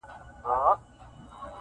له بارانه دي ولاړ کړمه ناوې ته-